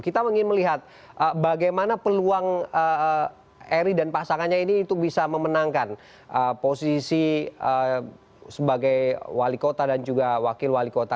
kita ingin melihat bagaimana peluang eri dan pasangannya ini untuk bisa memenangkan posisi sebagai wali kota dan juga wakil wali kota